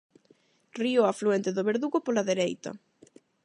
Río afluente do Verdugo pola dereita.